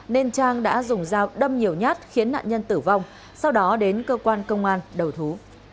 nên trang đã dùng dao đâm nhiều nhát khiến nạn nhân tử vong sau đó đến cơ quan công an đầu thú